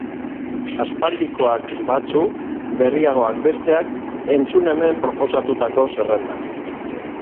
Aspaldikoak batzu, berriagoak besteak, entzun hemen proposatutako zerrenda.